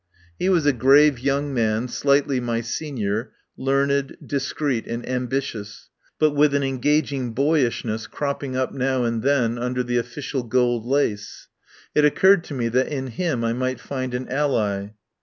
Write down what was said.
He was a grave young man, slightly my senior, learned, discreet, and ambitious, but with an engaging boyishness cropping up now and then under the official gold lace. It occurred to me that in him I might find an ally.